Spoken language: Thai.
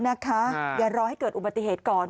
อย่ารอให้เกิดอุบัติเหตุก่อน